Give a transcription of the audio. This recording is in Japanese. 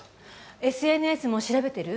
ＳＮＳも調べてる？